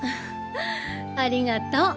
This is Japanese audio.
ありがと。